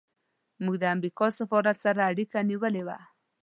موږ د امریکا سفارت سره اړیکه نیولې وه.